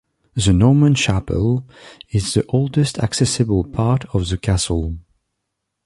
The Norman Chapel is the oldest accessible part of the castle.